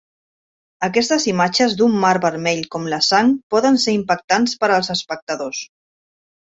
Aquestes imatges d'un mar vermell com la sang poden ser impactants per als espectadors.